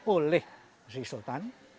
oleh sri sultan